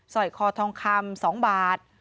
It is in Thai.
สร้อยคอทองคำ๒บาท